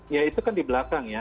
ya itu kan di belakang ya